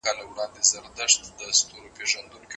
حضوري تدريس عملي مهارتونه په پرله پسې توګه قوي کوي.